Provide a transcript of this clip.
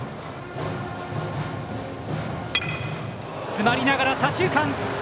詰まりながら、左中間！